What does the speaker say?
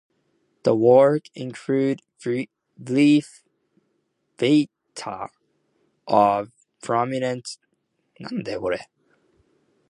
The work includes brief "vitae" of prominent Czechs.